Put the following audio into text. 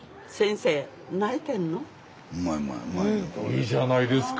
いいじゃないですか。